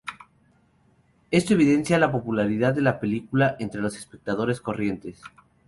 Esto evidencia la popularidad de la película entre los espectadores corrientes.